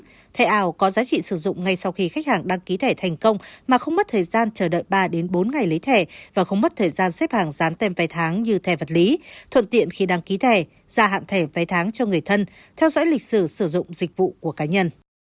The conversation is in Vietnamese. thẻ ảo có giá trị sử dụng ngay sau khi khách hàng đăng ký thẻ thành công mà không mất thời gian chờ đợi ba bốn ngày lấy thẻ và không mất thời gian xếp hàng dán tem vé tháng như thẻ vật lý thuận tiện khi đăng ký thẻ gia hạn thẻ vé tháng cho người thân theo dõi lịch sử sử dụng dịch vụ của cá nhân